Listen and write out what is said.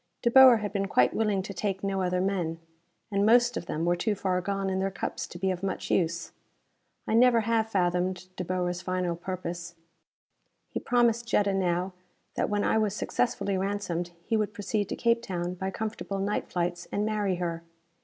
De Boer had been quite willing to take no other men and most of them were too far gone in their cups to be of much use. I never have fathomed De Boer's final purpose. He promised Jetta now that when I was successfully ransomed he would proceed to Cape Town by comfortable night flights and marry her.